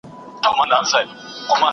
د کار په ځای کي خوندیتوب ته پاملرنه کیده.